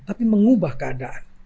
tapi mengubah keadaan